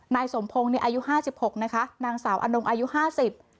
นายสมพงศ์เนี่ยอายุห้าสิบหกนะคะนางสาวอนงอายุห้าสิบ